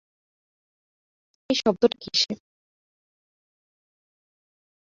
এই শব্দটা কিসের?